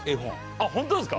あっホントですか？